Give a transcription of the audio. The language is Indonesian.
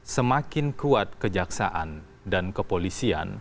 semakin kuat kejaksaan dan kepolisian